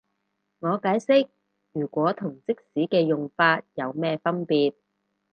我解釋如果同即使嘅用法有咩分別